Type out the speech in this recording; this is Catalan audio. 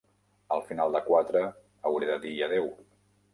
Al final de quatre, hauré de dir adeu.